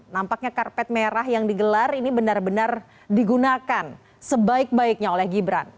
nampaknya karpet merah yang digelar ini benar benar digunakan sebaik baiknya oleh gibran